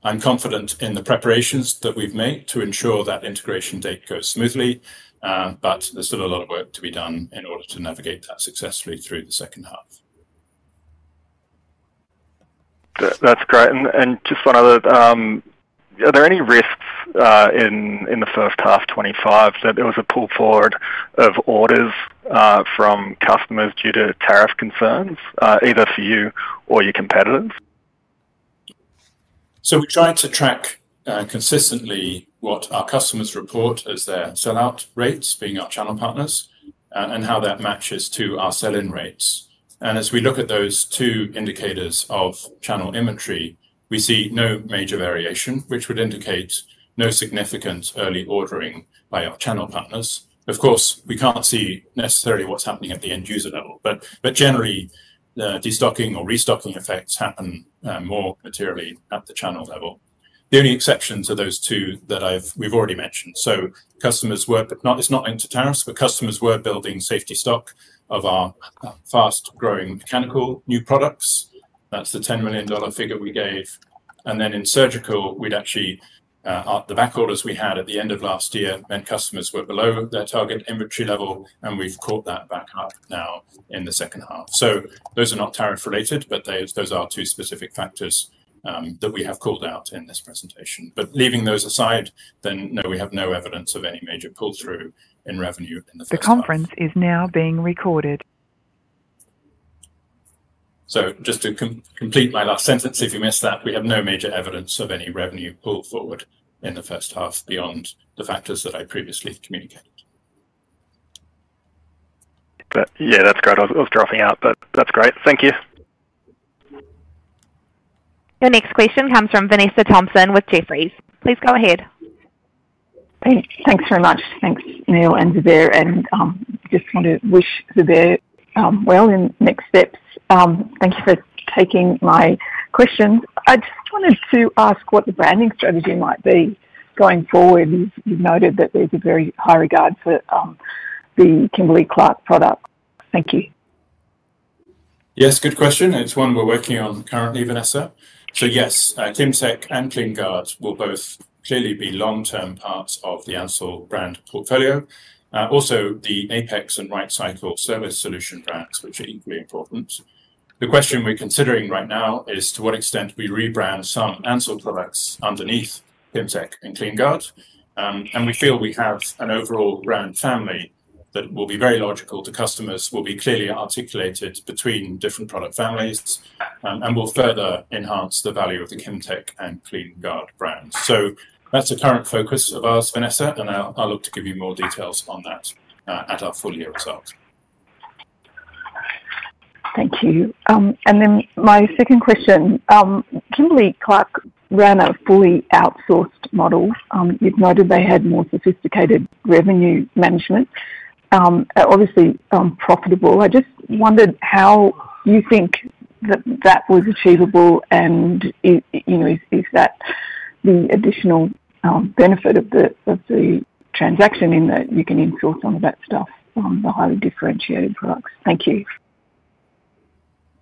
I'm confident in the preparations that we've made to ensure that integration date goes smoothly, but there's still a lot of work to be done in order to navigate that successfully through the second half. That's great. And just one other, are there any risks in the first half, 2025, that there was a pull forward of orders from customers due to tariff concerns, either for you or your competitors? So we're trying to track consistently what our customers report as their sell-out rates, being our channel partners, and how that matches to our sell-in rates. And as we look at those two indicators of channel inventory, we see no major variation, which would indicate no significant early ordering by our channel partners. Of course, we can't see necessarily what's happening at the end user level, but generally, the destocking or restocking effects happen more materially at the channel level. The only exceptions are those two that we've already mentioned. So customers were. It's not linked to tariffs, but customers were building safety stock of our fast-growing Mechanical new products. That's the $10 million figure we gave. And then in Surgical, we'd actually. The backorders we had at the end of last year meant customers were below their target inventory level, and we've caught that back up now in the second half. So those are not tariff-related, but those are two specific factors that we have called out in this presentation. But leaving those aside, then no, we have no evidence of any major pull-through in revenue in the first half. The conference is now being recorded. So just to complete my last sentence, if you missed that, we have no major evidence of any revenue pull-forward in the first half beyond the factors that I previously communicated. That's great. I was dropping out, but that's great. Thank you. Your next question comes from Vanessa Thomson with Jefferies. Please go ahead. Thanks very much. Thanks, Neil and Zubair. And I just want to wish Zubair well in the next steps. Thank you for taking my questions. I just wanted to ask what the branding strategy might be going forward. You've noted that there's a very high regard for the Kimberly-Clark product. Thank you. Yes, good question. It's one we're working on currently, Vanessa. So yes, Kimtech and KleenGuard will both clearly be long-term parts of the Ansell brand portfolio. Also, the Apex and RightCycle service solution brands, which are equally important. The question we're considering right now is to what extent we rebrand some Ansell products underneath Kimtech and KleenGuard. And we feel we have an overall brand family that will be very logical to customers, will be clearly articulated between different product families, and will further enhance the value of the Kimtech and KleenGuard brands. So that's the current focus of ours, Vanessa, and I'll look to give you more details on that at our full year result. Thank you. And then my second question, Kimberly-Clark ran a fully outsourced model. You've noted they had more sophisticated revenue management, obviously profitable. I just wondered how you think that that was achievable, and is that the additional benefit of the transaction in that you can instill some of that stuff from the highly differentiated products? Thank you.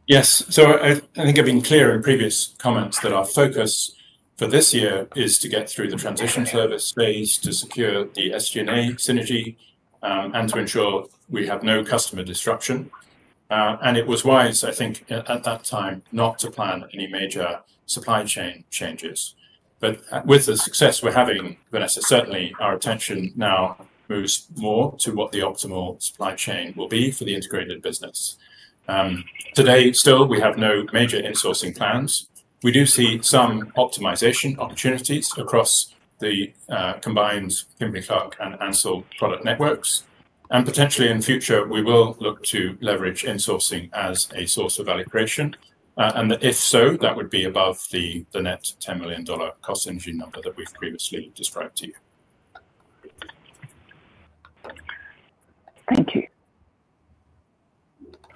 Yes. So I think I've been clear in previous comments that our focus for this year is to get through the transition service phase to secure the SG&A synergy and to ensure we have no customer disruption, and it was wise, I think, at that time not to plan any major supply chain changes. But with the success we're having, Vanessa, certainly our attention now moves more to what the optimal supply chain will be for the integrated business. Today, still, we have no major insourcing plans. We do see some optimization opportunities across the combined Kimberly-Clark and Ansell product networks. And potentially in the future, we will look to leverage insourcing as a source of value creation. And if so, that would be above the net $10 million cost engine number that we've previously described to you. Thank you.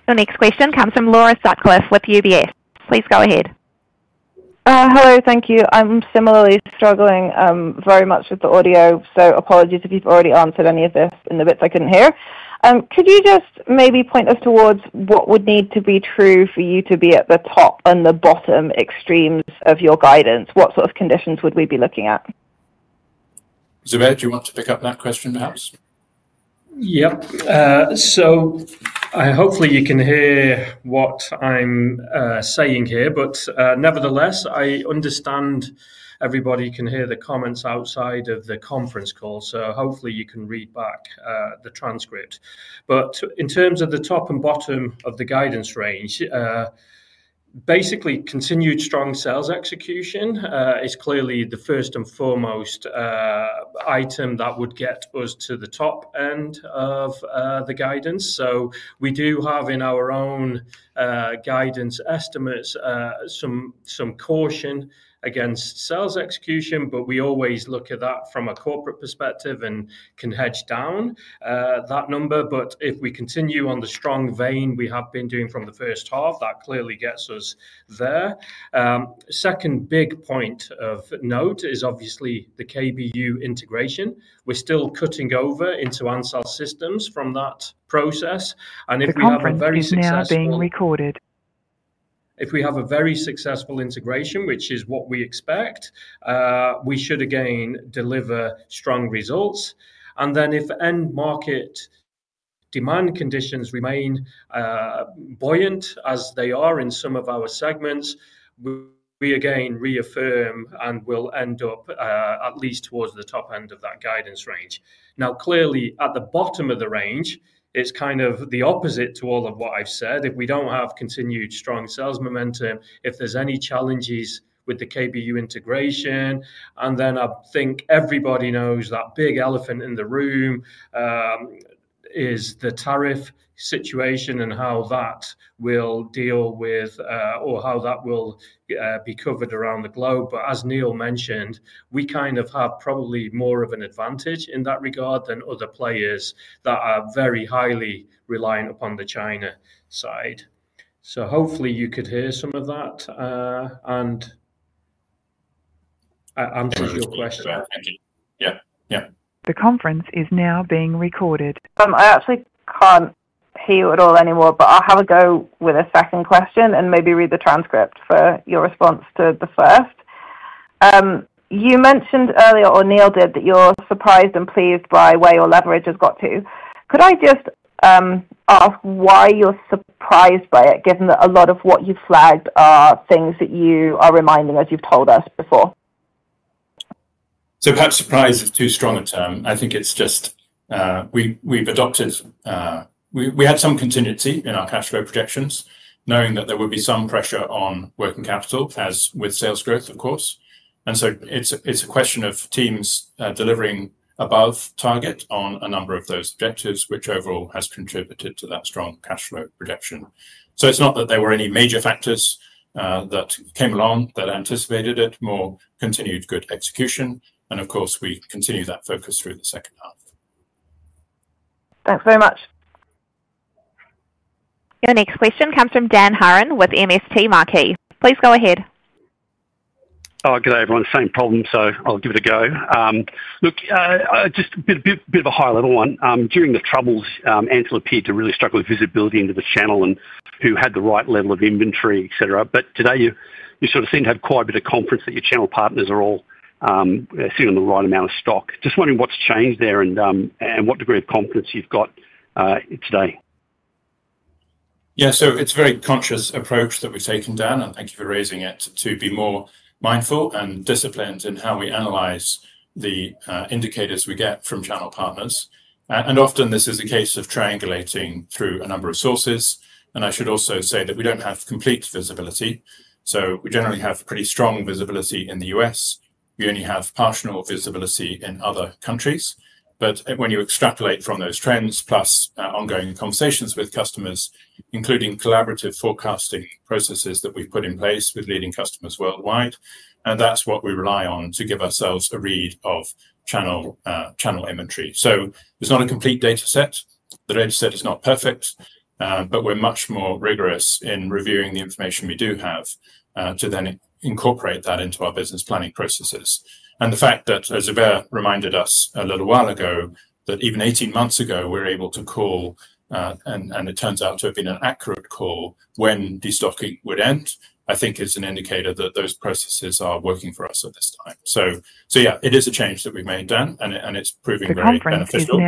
The next question comes from Laura Sutcliffe with UBS. Please go ahead. Hello. Thank you. I'm similarly struggling very much with the audio, so apologies if you've already answered any of this in the bits I couldn't hear. Could you just maybe point us towards what would need to be true for you to be at the top and the bottom extremes of your guidance? What sort of conditions would we be looking at? Zubair, do you want to pick up that question, perhaps? Yep. So hopefully you can hear what I'm saying here, but nevertheless, I understand everybody can hear the comments outside of the conference call, so hopefully you can read back the transcript. But in terms of the top and bottom of the guidance range, basically continued strong sales execution is clearly the first and foremost item that would get us to the top end of the guidance. So we do have in our own guidance estimates some caution against sales execution, but we always look at that from a corporate perspective and can hedge down that number. But if we continue on the strong vein we have been doing from the first half, that clearly gets us there. Second big point of note is obviously the KBU integration. We're still cutting over into Ansell systems from that process. And if we have a very successful. If we have a very successful integration, which is what we expect, we should again deliver strong results, and then if end market demand conditions remain buoyant as they are in some of our segments, we again reaffirm and will end up at least towards the top end of that guidance range. Now, clearly, at the bottom of the range, it's kind of the opposite to all of what I've said. If we don't have continued strong sales momentum, if there's any challenges with the KBU integration, and then I think everybody knows that big elephant in the room is the tariff situation and how that will deal with or how that will be covered around the globe, but as Neil mentioned, we kind of have probably more of an advantage in that regard than other players that are very highly reliant upon the China side. So hopefully you could hear some of that. And answers your question. I actually can't hear you at all anymore, but I'll have a go with a second question and maybe read the transcript for your response to the first. You mentioned earlier, or Neil did, that you're surprised and pleased by where your leverage has got to. Could I just ask why you're surprised by it, given that a lot of what you've flagged are things that you are reminding us you've told us before? So perhaps surprise is too strong a term. I think it's just we've adopted. We had some contingency in our cash flow projections, knowing that there would be some pressure on working capital, as with sales growth, of course. And so it's a question of teams delivering above target on a number of those objectives, which overall has contributed to that strong cash flow projection. So it's not that there were any major factors that came along that anticipated it, more continued good execution. And of course, we continue that focus through the second half. Thanks very much. Your next question comes from Dan Hurren with MST Marquee. Please go ahead. Oh, good day, everyone. Same problem, so I'll give it a go. Look, just a bit of a high-level one. During the troubles, Ansell appeared to really struggle with visibility into the channel and who had the right level of inventory, etc. But today, you sort of seem to have quite a bit of confidence that your channel partners are all sitting on the right amount of stock. Just wondering what's changed there and what degree of confidence you've got today? So it's a very conscious approach that we've taken, Dan, and thank you for raising it, to be more mindful and disciplined in how we analyze the indicators we get from channel partners. And often, this is a case of triangulating through a number of sources. And I should also say that we don't have complete visibility. So we generally have pretty strong visibility in the U.S. We only have partial visibility in other countries. But when you extrapolate from those trends, plus ongoing conversations with customers, including collaborative forecasting processes that we've put in place with leading customers worldwide, and that's what we rely on to give ourselves a read of channel inventory. So it's not a complete data set. The data set is not perfect, but we're much more rigorous in reviewing the information we do have to then incorporate that into our business planning processes. And the fact that, as Zubair reminded us a little while ago, that even 18 months ago, we're able to call, and it turns out to have been an accurate call, when destocking would end, I think is an indicator that those processes are working for us at this time. So, it is a change that we've made, Dan, and it's proving very beneficial.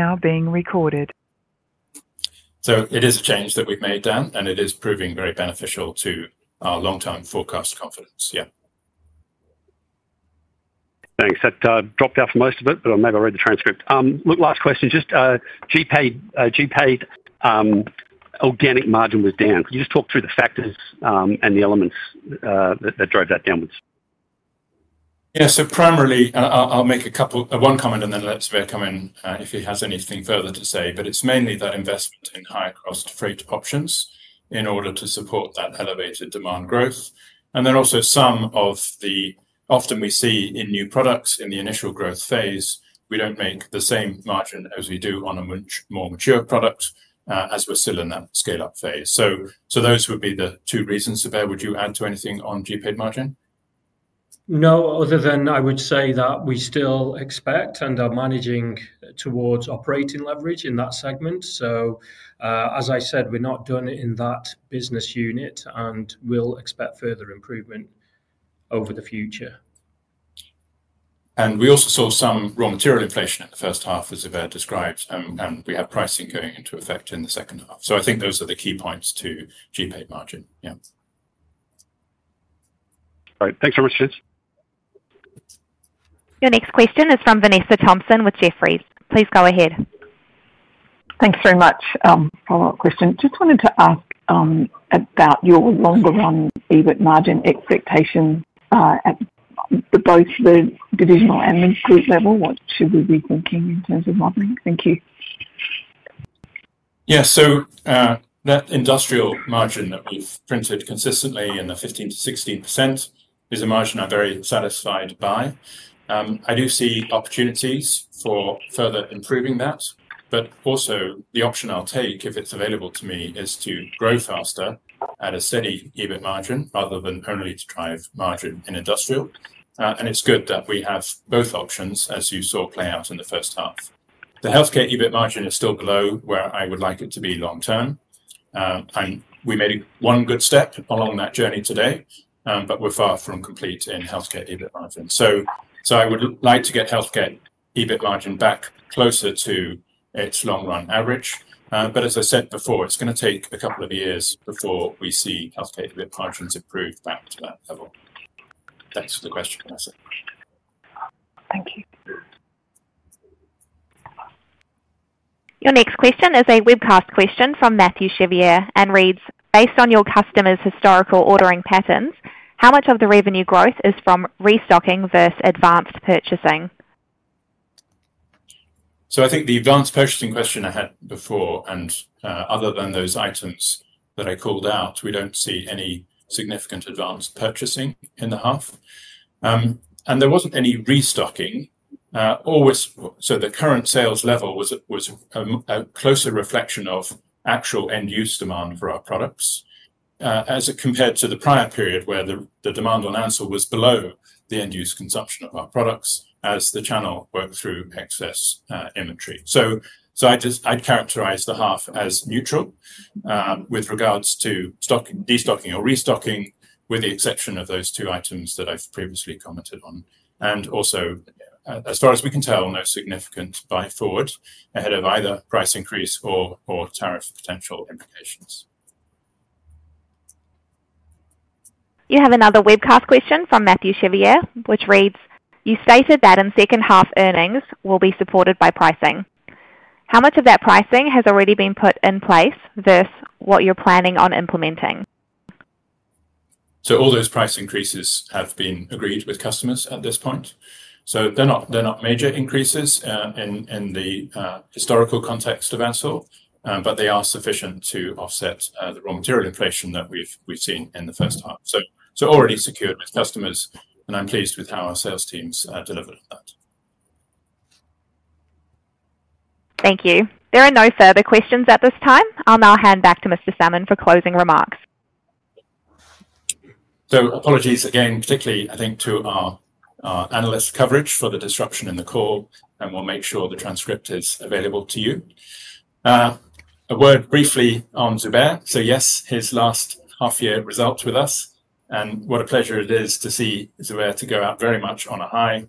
[Cosstalk] So it is a change that we've made, Dan, and it is proving very beneficial to our long-term forecast confidence. Thanks. I dropped out for most of it, but I may have read the transcript. Look, last question. Just GPADE organic margin was down. Can you just talk through the factors and the elements that drove that downwards? So primarily, I'll make one comment, and then let Zubair come in if he has anything further to say. But it's mainly that investment in higher-cost freight options in order to support that elevated demand growth. And then also some of the often we see in new products in the initial growth phase, we don't make the same margin as we do on a much more mature product as we're still in that scale-up phase. So those would be the two reasons. Zubair, would you add to anything on GPADE margin? No, other than I would say that we still expect and are managing towards operating leverage in that segment. So as I said, we're not doing it in that business unit, and we'll expect further improvement over the future. And we also saw some raw material inflation in the first half, as Zubair described, and we had pricing going into effect in the second half. So I think those are the key points to GPADE margin. All right. Thanks very much, Liz. Your next question is from Vanessa Thompson with Jefferies. Please go ahead. Thanks very much. Follow-up question. Just wanted to ask about your longer-run EBIT margin expectations at both the divisional and the group level. What should we be thinking in terms of modeling? Thank you. So that industrial margin that we've printed consistently in the 15%-16% is a margin I'm very satisfied by. I do see opportunities for further improving that, but also the option I'll take, if it's available to me, is to grow faster at a steady EBIT margin rather than only to drive margin in industrial. It's good that we have both options, as you saw play out in the first half. The healthcare EBIT margin is still below where I would like it to be long-term. We made one good step along that journey today, but we're far from complete in healthcare EBIT margin. I would like to get healthcare EBIT margin back closer to its long-run average. As I said before, it's going to take a couple of years before we see healthcare EBIT margins improve back to that level. Thanks for the question, Vanessa. Thank you. Your next question is a webcast question from Mathieu Chevrier and reads, "Based on your customers' historical ordering patterns, how much of the revenue growth is from restocking versus advanced purchasing?" So I think the advanced purchasing question I had before, and other than those items that I called out, we don't see any significant advanced purchasing in the half. And there wasn't any restocking. So the current sales level was a closer reflection of actual end-use demand for our products as it compared to the prior period where the demand on Ansell was below the end-use consumption of our products as the channel worked through excess inventory. So I'd characterize the half as neutral with regards to destocking or restocking, with the exception of those two items that I've previously commented on. And also, as far as we can tell, no significant buy forward ahead of either price increase or tariff potential implications. You have another webcast question from Mathieu Chevrier, which reads, "You stated that in second-half earnings will be supported by pricing. How much of that pricing has already been put in place versus what you're planning on implementing?" So all those price increases have been agreed with customers at this point. So they're not major increases in the historical context of Ansell, but they are sufficient to offset the raw material inflation that we've seen in the first half. So already secured with customers, and I'm pleased with how our sales teams delivered on that. Thank you. There are no further questions at this time. I'll now hand back to Mr. Salmon for closing remarks. Apologies again, particularly, I think, to our analyst coverage for the disruption in the call, and we'll make sure the transcript is available to you. A word briefly on Zubair. Yes, his last half-year results with us, and what a pleasure it is to see Zubair to go out very much on a high.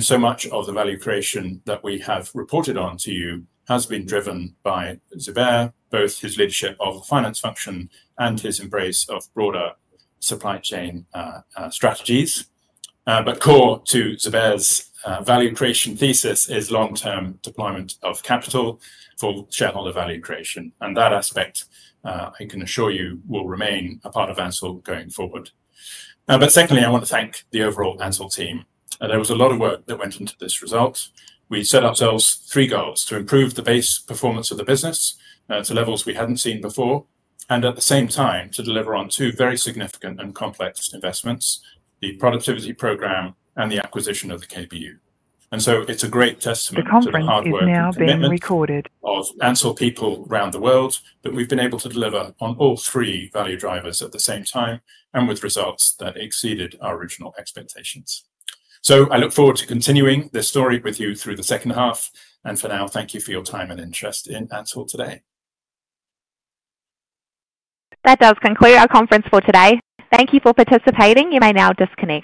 So much of the value creation that we have reported on to you has been driven by Zubair, both his leadership of the finance function and his embrace of broader supply chain strategies. Core to Zubair's value creation thesis is long-term deployment of capital for shareholder value creation. That aspect, I can assure you, will remain a part of Ansell going forward. Secondly, I want to thank the overall Ansell team. There was a lot of work that went into this result. We set ourselves three goals: to improve the base performance of the business to levels we hadn't seen before, and at the same time, to deliver on two very significant and complex investments, the productivity program and the acquisition of the KBU. And so it's a great testament to the hard work and commitment of Ansell people around the world that we've been able to deliver on all three value drivers at the same time and with results that exceeded our original expectations. So I look forward to continuing this story with you through the second half. And for now, thank you for your time and interest in Ansell today. That does conclude our conference for today. Thank you for participating. You may now disconnect.